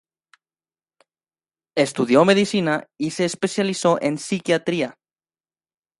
Estudió medicina y se especializó en psiquiatría.